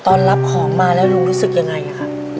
ตอนรับของมาแล้วลุงรู้สึกยังไงครับ